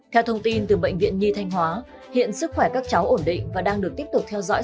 theo thông tin từ bệnh viện nhi thanh hóa hiện sức khỏe các cháu ổn định và đang được tiếp tục theo dõi